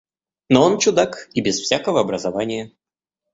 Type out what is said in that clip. Но он чудак и без всякого образования.